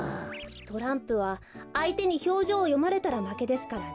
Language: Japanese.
トランプはあいてにひょうじょうをよまれたらまけですからね。